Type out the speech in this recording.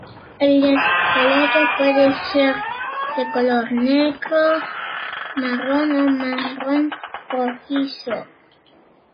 El esqueleto puede ser de color negro, marrón o marrón rojizo.